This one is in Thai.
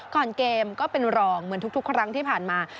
ก่อนเกมก็เป็นรองเหมือนทุกครั้งที่ผ่านมา